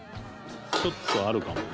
ちょっとあるかもね。